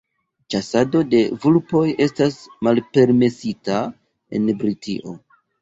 ĉasado de vulpoj estas malpermesita en Britio.